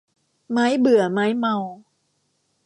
ไม้เบื่อไม้เมา